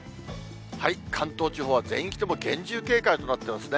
関東地方は全域とも厳重警戒となってますね。